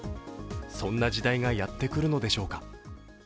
そんな時代がやってくるのでしょうか。